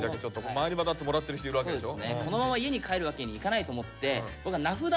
周りはだってもらってる人いるわけでしょ？